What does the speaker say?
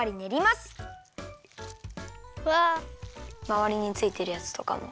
まわりについてるやつとかも。